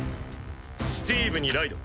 スティーブにライド！